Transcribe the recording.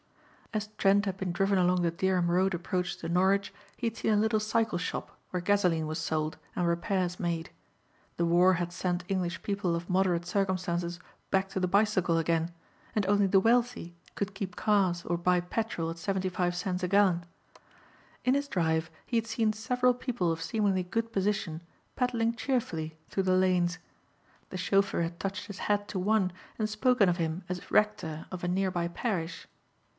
As Trent had been driven along the Dereham Road approach to Norwich he had seen a little cycle shop where gasoline was sold and repairs made. The war had sent English people of moderate circumstances back to the bicycle again and only the wealthy could keep cars or buy petrol at seventy five cents a gallon. In his drive he had seen several people of seemingly good position pedalling cheerfully through the lanes. The chauffeur had touched his hat to one and spoken of him as rector of a nearby parish.